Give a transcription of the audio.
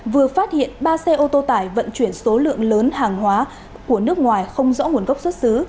vừa phát hiện ba xe ô tô tải vận chuyển số lượng lớn hàng hóa của nước ngoài không rõ nguồn gốc xuất xứ